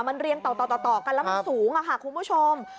มันเรียงต่อกันแล้วมันสูงค่ะคุณผู้ชม